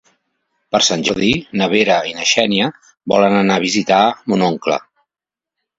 Per Sant Jordi na Vera i na Xènia volen anar a visitar mon oncle.